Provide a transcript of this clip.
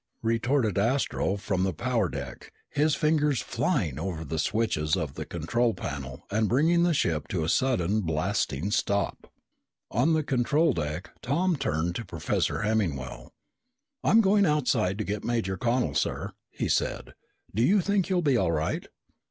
retorted Astro from the power deck, his fingers flying over the switches of the control panel and bringing the ship to a sudden blasting stop. On the control deck, Tom turned to Professor Hemmingwell. "I'm going outside to get Major Connel, sir," he said. "Do you think you'll be all right?"